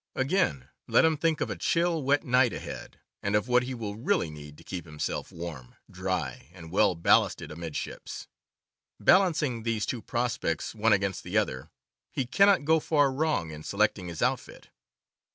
Again, let him think of a chill, wet night ahead, and of what he will really need to keep himself warm, dry, and well ballasted amidships. Balancing these two prospects one against the other, he cannot go far wrong in selecting his outfit.